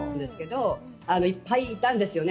いっぱいいたんですよね。